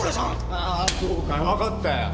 ああそうかいわかったよ。